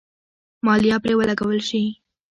مالیه پرې ولګول شي.